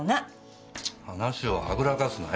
話をはぐらかすなよ。